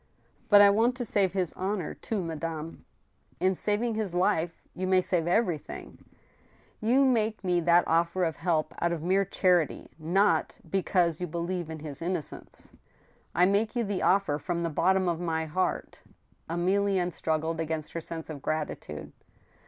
" But I want to save his honor too, madame.'* 144 THE STEEL JAMMER. In saving his life you may save eveiything/' You make me that offer of help out of mere charity— not be cause you believe in his innocence !"" I make you the offer from the bottom of my heart." Emilienne struggled against her sense of gratitude.